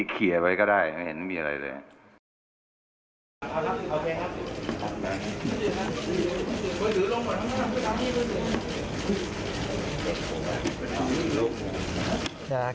เขียนไว้ก็ได้ไม่เห็นมีอะไรเลย